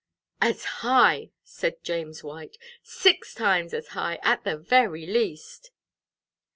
"As high!" said James White, "six times as high, at the very least."